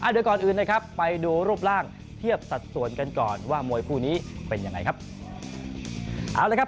เดี๋ยวก่อนอื่นนะครับไปดูรูปร่างเทียบสัดส่วนกันก่อนว่ามวยคู่นี้เป็นยังไงครับ